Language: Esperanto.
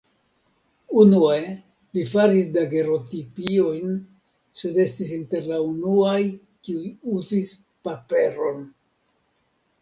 Unue li faris dagerotipiojn sed estis inter la unuaj kiuj uzis paperon.